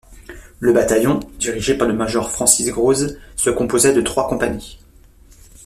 Le bataillon, dirigé par le major Francis Grose, se composait de trois compagnies.